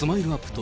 と